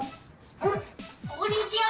んっここにしよう！